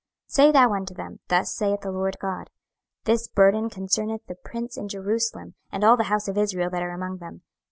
26:012:010 Say thou unto them, Thus saith the Lord GOD; This burden concerneth the prince in Jerusalem, and all the house of Israel that are among them.